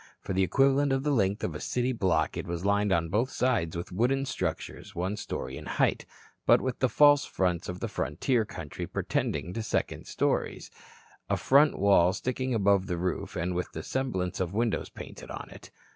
For the equivalent of the length of a city block it was lined on both sides with wooden structures one story in height, but with the false fronts of the frontier country pretending to second stories a front wall sticking above the roof and with the semblance of windows painted on it.